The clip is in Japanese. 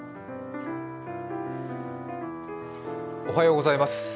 おはようございます。